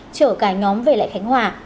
chở cả nhóm về lại khánh hòa